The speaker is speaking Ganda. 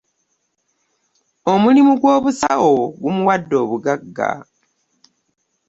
Omulimu gwobusaawo gumuwadde obugagga.